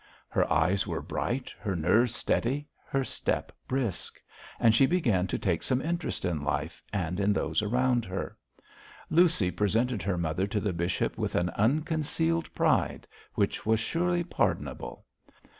Her eyes were bright, her nerves steady, her step brisk; and she began to take some interest in life, and in those around her. Lucy presented her mother to the bishop with an unconcealed pride, which was surely pardonable.